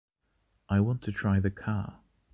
I want to try the car.